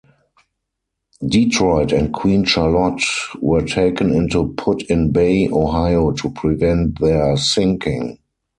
"Detroit" and "Queen Charlotte" were taken into Put-in-Bay, Ohio, to prevent their sinking.